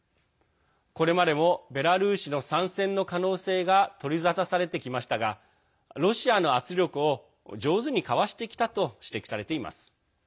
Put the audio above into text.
これまでもベラルーシの参戦の可能性が取り沙汰されてきましたがロシアの圧力を上手にかわしてきたと指摘されています。